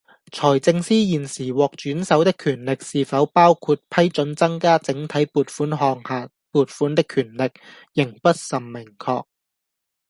財政司現時獲轉授的權力是否包括批准增加整體撥款項下撥款的權力，仍不甚明確